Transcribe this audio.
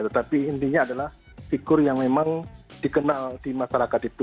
tetapi intinya adalah figur yang memang dikenal di masyarakat itu